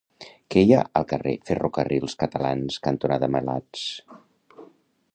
Què hi ha al carrer Ferrocarrils Catalans cantonada Malats?